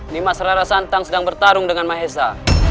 nimat serara santang sedang bertarung dengan mahesa